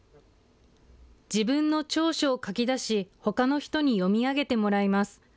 自分の長所を書き出しほかの人に読み上げてもらいます。